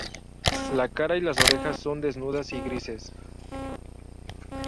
La cara y las orejas son desnudas y grises.